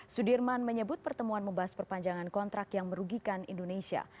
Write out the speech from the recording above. sudirman menyebut pertemuan membahas perpanjangan kontrak yang merugikan indonesia